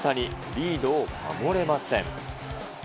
リードを守れません。